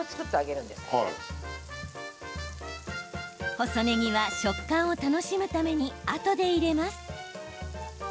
細ねぎは、食感を楽しむためにあとで入れます。